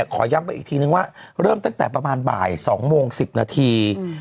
ขอย้ำไปอีกทีนึงว่าเริ่มตั้งแต่ประมาณบ่าย๒โมง๑๐นาที